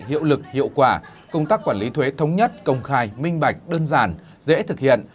hiệu lực hiệu quả công tác quản lý thuế thống nhất công khai minh bạch đơn giản dễ thực hiện